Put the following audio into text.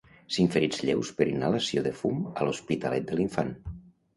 Cinc ferits lleus per inhalació de fum a L'Hospitalet de l'Infant.